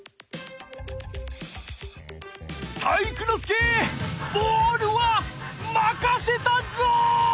体育ノ介ボールはまかせたぞ！